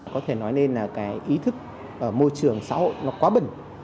có thể nói lên là cái ý thức ở môi trường xã hội nó quá bẩn